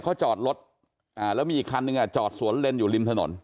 เขาจอดรถแล้วมีอีกคันนึงอ่ะจอดสวนเล่นอยู่ริมถนน